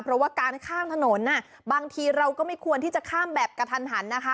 เพราะว่าการข้ามถนนบางทีเราก็ไม่ควรที่จะข้ามแบบกระทันหันนะคะ